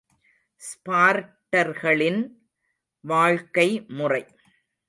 ஸ்பார்ட்டர்களின் வாழ்க்கை முறை.